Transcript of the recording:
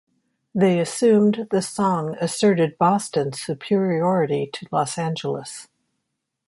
They assumed the song asserted Boston's superiority to Los Angeles.